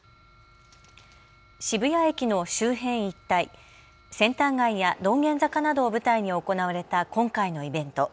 渋谷駅の周辺一帯、センター街や道玄坂などを舞台に行われた今回のイベント。